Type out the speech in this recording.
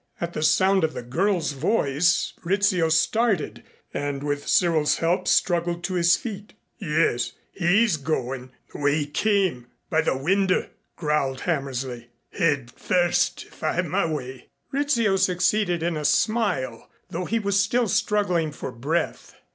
At the sound of the girl's voice Rizzio started and with Cyril's help struggled to his feet. "Yes, he's going the way he came by the window," growled Hammersley. "Head first, if I have my way." Rizzio succeeded in a smile, though he was still struggling for breath.